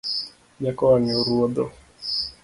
Nyako wang’e oruodho